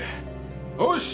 よし！